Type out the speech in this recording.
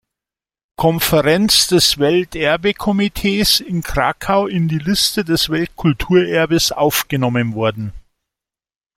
Konferenz des Welterbekomitees in Krakau in die Liste des Weltkulturerbes aufgenommen worden.